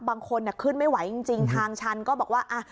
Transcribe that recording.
บางคนขึ้นไม่ไหวจริงทางชันก็บอกว่า